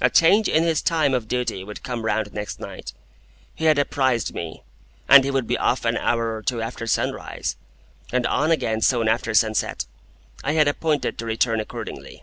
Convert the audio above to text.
A change in his time of duty would come round next night, he had apprised me, and he would be off an hour or two after sunrise, and on again soon after sunset. I had appointed to return accordingly.